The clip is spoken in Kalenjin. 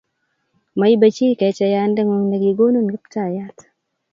Moibe chi kecheyandeng'ung' nekigonin Kiptaiyat.